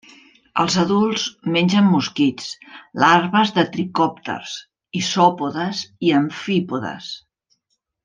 Els adults mengen mosquits, larves de tricòpters, isòpodes i amfípodes.